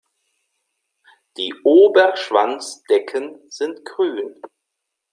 Die Oberschwanzdecken sind grün.